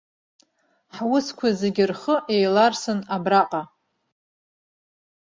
Ҳусқәа зегьы рхы еиларсын абраҟа.